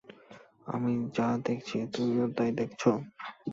আমি যা দেখছি তুমিও তাই দেখছো?